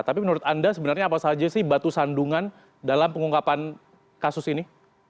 tapi menurut anda sebenarnya apa saja sih batu sandungan dalam pengungkapan kasus ini